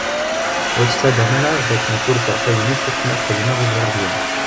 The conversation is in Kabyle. Ur tt-ttaddam ara d akken furseɣ tagnit akken ad xedmeɣ i bɣiɣ deg-m.